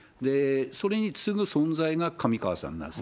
それに次ぐ存在が上川さんなんです。